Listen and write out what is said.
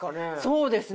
そうですね。